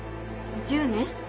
１０年？